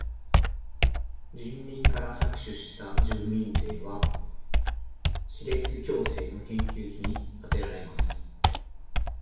人民から搾取した住民税は歯列矯正の研究費にあてられます。